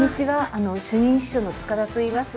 主任司書の柄田といいます。